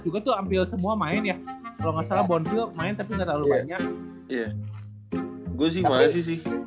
juga tuh hampir semua main ya kalau nggak salah bonpil main tapi terlalu banyak gue sih masih sih